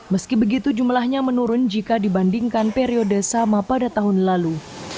meski begitu jumlahnya menurun jika dibandingkan periode sama pada tahun lalu